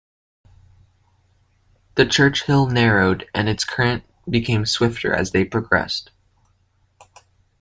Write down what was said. The Churchill narrowed and its current became swifter as they progressed.